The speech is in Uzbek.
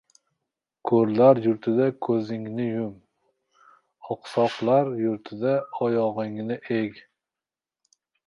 • Ko‘rlar yurtida ko‘zingni yum, oqsoqlar yurtida oyog‘ingni eg.